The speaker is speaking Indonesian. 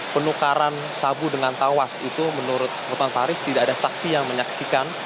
penukaran sabu dengan tawas itu menurut nurman faris tidak ada saksi yang menyaksikan